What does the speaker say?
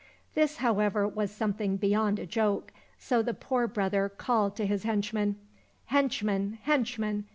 " This, however, was something beyond a joke, so the poor brother called to his henchmen, " Henchmen, henchmen